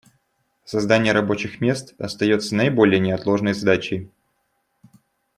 Создание рабочих мест остается наиболее неотложной задачей.